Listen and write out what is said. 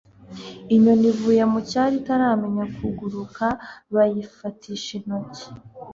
inyoni ivuye mu cyari itaramenya kuguruka bayifatisha intoki